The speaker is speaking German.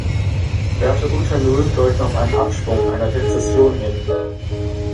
Werte unter Null deuten auf einen Abschwung, eine Rezession, hin.